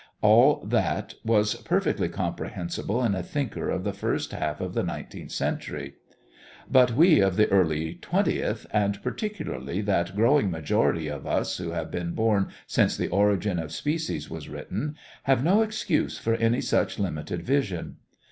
All that was perfectly comprehensible in a thinker of the first half of the nineteenth century. But we of the early twentieth, and particularly that growing majority of us who have been born since the Origin of Species was written, have no excuse for any such limited vision.